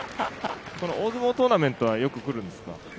大相撲トーナメントはよく来るんですか？